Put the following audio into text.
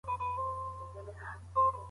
شاه عباس خپلو طبیبانو ته ځانګړې دندې ورکولې.